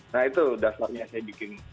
nah itu dasarnya saya bikin